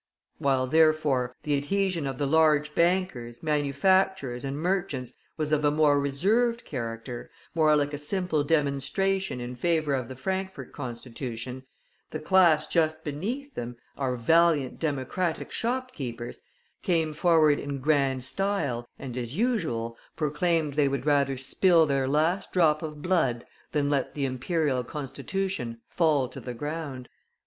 While, therefore, the adhesion of the large bankers, manufacturers, and merchants was of a more reserved character, more like a simple demonstration in favor of the Frankfort Constitution, the class just beneath them, our valiant Democratic shopkeepers, came forward in grand style, and, as usual, proclaimed they would rather spill their last drop of blood than let the Imperial Constitution fall to the ground.